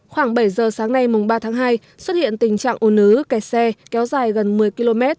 khoảng bảy giờ sáng nay mùng ba tháng hai xuất hiện tình trạng ồ nứ kẹt xe kéo dài gần một mươi km